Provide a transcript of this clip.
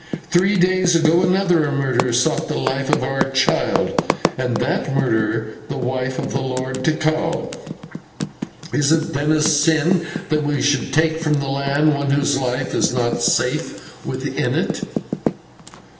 Three days ago another murderer sought the life of our child, and that murderer the wife of the Lord Tikal. Is it, then, a sin that we should take from the land one whose life is not safe within it."